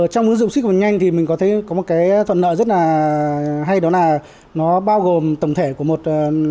trong ứng dụng ship cực nhanh thì mình có thấy có một cái thuận lợi rất là hay đó là nó bao gồm tổng thể của một